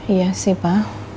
iya sih pa